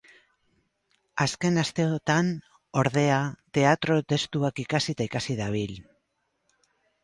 Azken asteotan, ordea, teatro-testuak ikasi eta ikasi dabil.